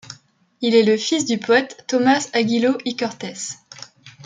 Il est le fils du poète Tomàs Aguiló i Cortès.